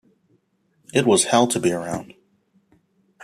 It was hell to be around.